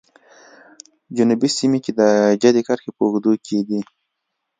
جنوبي سیمو چې د جدي کرښې په اوږدو کې دي.